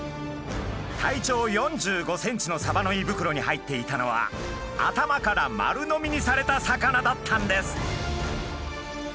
体長４５ｃｍのサバの胃袋に入っていたのは頭から丸飲みにされた魚だったんです。